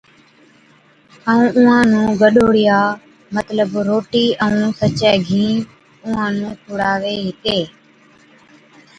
اُونھان نُون گڏھوڙِيا مطلب روٽِي ائُون سچي گھِين اُونھان نُون کُڙاوي ھِتي